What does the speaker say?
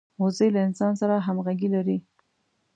وزې له انسان سره همږغي لري